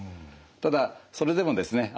ただそれでもですね